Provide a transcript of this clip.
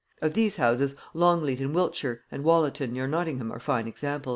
Of these houses Longleat in Wiltshire and Wollaton near Nottingham are fine examples.